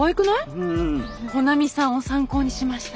穂波さんを参考にしました。